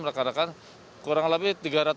mereka mereka kurang lebih